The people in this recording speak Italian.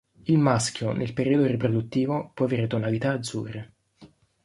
Il maschio nel periodo riproduttivo può avere tonalità azzurre.